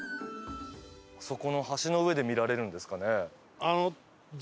そこの橋の上で見られるんですかね？